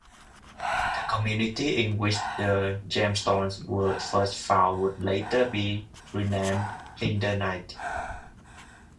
The community in which the gemstones were first found would later be renamed "Hiddenite".